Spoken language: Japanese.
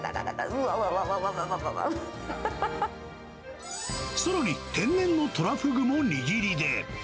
うさらに天然のトラフグも握りで。